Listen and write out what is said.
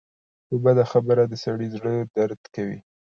په بده خبره د سړي زړۀ دړد کوي